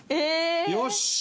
よし！